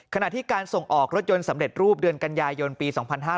ขณะที่การส่งออกรถยนต์สำเร็จรูปเดือนกันยายนปี๒๕๕๙